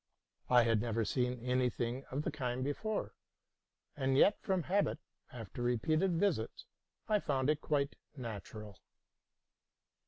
I had never seen any thing of the kind before; and yet from habit, after re peated visits, I soon found it quite natural.